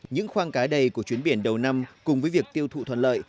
những khoang cái đầy của chuyến biển đầu năm cùng với việc tiêu thụ thuận lợi